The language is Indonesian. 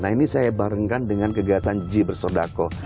nah ini saya barengkan dengan kegiatan ji bersodako